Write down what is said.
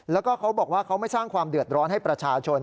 แล้วก็เขาบอกว่าเขาไม่สร้างความเดือดร้อนให้ประชาชน